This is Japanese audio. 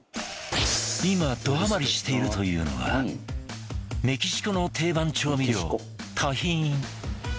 今どハマりしているというのはメキシコの定番調味料タヒン